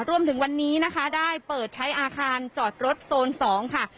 รวมถึงวันนี้นะคะได้เปิดใช้อาคารจอดรถโซน๒ค่ะ